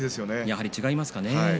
やはり違いますかね。